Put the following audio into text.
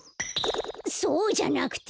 そうじゃなくて！